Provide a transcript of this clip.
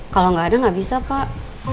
kalau gak ada gak bisa pak